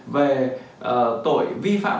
về tội vi phạm